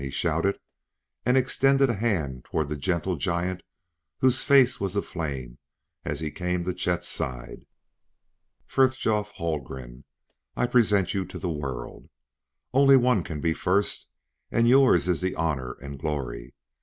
he shouted, and extended a hand toward the gentle giant whose face was aflame as he came to Chet's side. "Frithjof Haldgren, I present you to the world. Only one can be the first; and yours is the honor and glory.